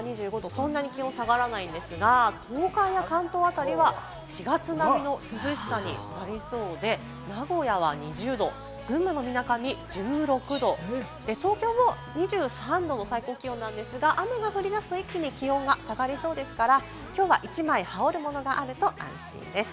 そんなに気温が下がらないんですが、東海や関東辺りは４月並みの涼しさになりそうで、名古屋は２０度、群馬のみなかみ１６度、東京も２３度の最高気温なんですが、雨が降り出すと一気に気温が下がりそうですから、きょうは１枚羽織るものがあると良さそうです。